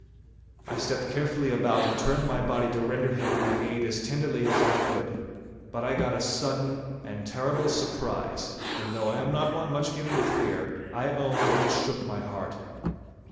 I stepped carefully about and turned my body to render him my aid as tenderly as I could. But I got a sudden and terrible surprise, and though I am not one much given to fear, I own that it shook my heart.